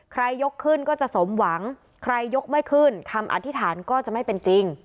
ยกขึ้นก็จะสมหวังใครยกไม่ขึ้นคำอธิษฐานก็จะไม่เป็นจริง